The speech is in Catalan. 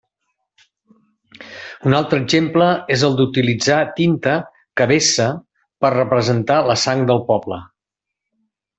Un altre exemple és el d’utilitzar tinta que vessa per representar la sang del poble.